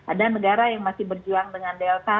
ada negara yang masih berjuang dengan delta